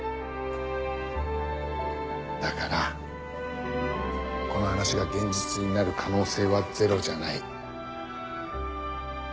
だからこの話が現実になる可能性はゼロじゃない。